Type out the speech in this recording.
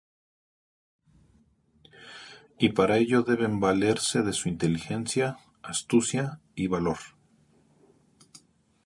Y para ello deben valerse de su inteligencia, astucia y valor.